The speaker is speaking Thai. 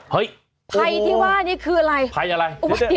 เฮ้ยโอ้โหภัยที่ว่านี่คืออะไรภัยอะไร